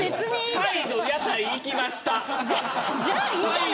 タイの屋台は行きました。